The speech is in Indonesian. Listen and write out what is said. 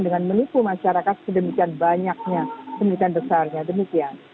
dengan menipu masyarakat sedemikian banyaknya sedemikian besarnya demikian